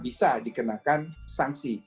bisa dikenakan sanksi